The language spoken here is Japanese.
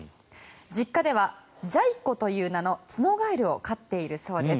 実家ではジャイ子という名のツノガエルを飼っているそうです。